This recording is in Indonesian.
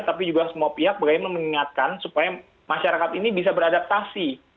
tapi juga semua pihak bagaimana mengingatkan supaya masyarakat ini bisa beradaptasi